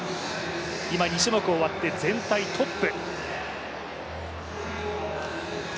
今、２種目終わって全体トップ。